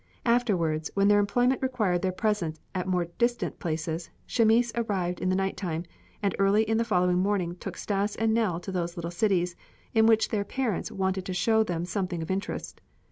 Afterwards, when their employment required their presence at more distant places, Chamis arrived in the night time, and early in the following morning took Stas and Nell to those little cities, in which their parents wanted to show them something of interest.